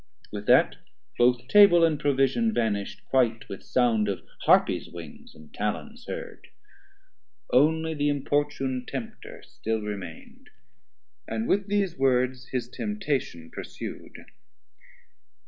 With that Both Table and Provision vanish'd quite With sound of Harpies wings, and Talons heard; Only the importune Tempter still remain'd, And with these words his temptation pursu'd.